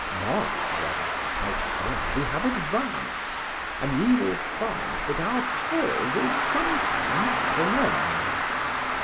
Mark, however, how far we have advanced, and ye will find that our toil will some time have an end.